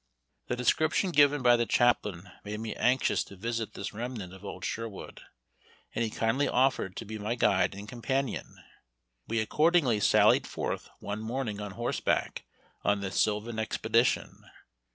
The description given by the chaplain made me anxious to visit this remnant of old Sherwood, and he kindly offered to be my guide and companion. We accordingly sallied forth one morning on horseback on this sylvan expedition.